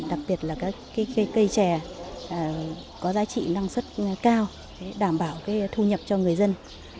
đặc biệt là cây trè có giá trị năng suất cao đảm bảo thu nhập cho người dân